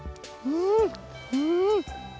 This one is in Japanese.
うん！